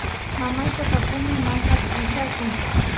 mamayta tapuni manka tikrakuy